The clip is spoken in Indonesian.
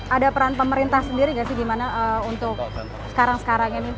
ada peran pemerintah sendiri gak sih gimana untuk sekarang sekarang ini